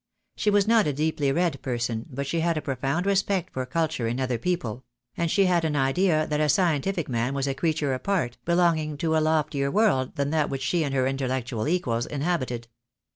She was not a deeply read person, but she had a profound respect for culture in other people; and she had an idea that a scientific man was a creature apart, belonging to a loftier world than that which she and her intellectual equals in habited.